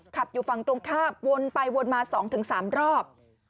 ขับอยู่ฝั่งตรงข้ามวนไปวนมาสองถึงสามรอบ